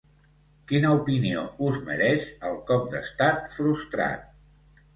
Quina opinió us mereix el cop d’estat frustrat?